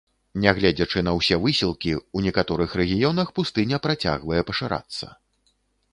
Нягледзячы на ўсе высілкі, у некаторых рэгіёнах пустыня працягвае пашырацца.